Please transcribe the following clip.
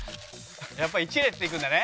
やっぱ１列でいくんだね。